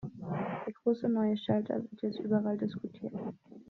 Der große neue Shelter wird jetzt überall diskutiert.